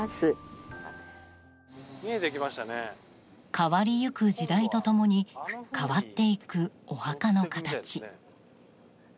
変わりゆく時代と共に変わっていくお墓の形。